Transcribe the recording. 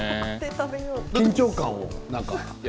緊張感を？